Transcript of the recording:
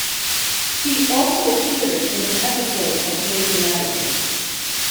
He also appeared in an episode of "Grey's Anatomy".